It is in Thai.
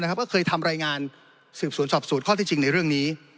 ก็เคยทำรายงานสืบสวนสอบสวนข้อที่จริงในเรื่องนี้